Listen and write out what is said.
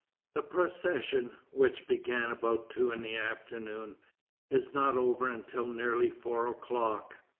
The procession, which began about two in the afternoon, is not over until nearly four o'clock.